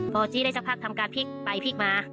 พรถี้คุณก็ได้พักทำการพลิกไปพลิกมา